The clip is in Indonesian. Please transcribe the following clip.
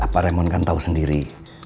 pak remon kan tahu sendiri